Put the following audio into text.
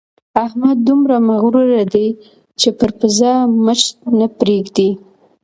احمد دومره مغروره دی چې پر پزه مچ نه پرېږدي.